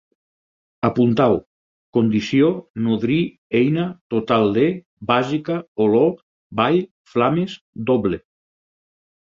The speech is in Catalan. Apuntau: condició, nodrir, eina, total de, bàsica, olor, vall, flames, doble